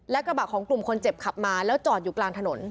และกระบะของกลุ่มคนเจ็บขับมาแล้วจอดอยู่กลางถนน